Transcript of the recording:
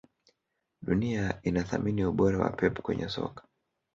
Dunia inathamini ubora wa Pep kwenye soka